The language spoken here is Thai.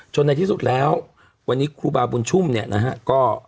ในที่สุดแล้ววันนี้ครูบาบุญชุ่มเนี่ยนะฮะก็